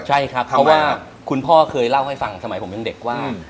ใช่ครับเพราะว่าคุณพ่อเคยเล่าให้ฟังสมัยผมยังเด็กว่า